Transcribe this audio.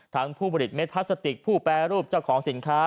ผู้ผลิตเม็ดพลาสติกผู้แปรรูปเจ้าของสินค้า